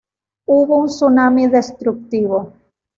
Hubo un tsunami destructivo.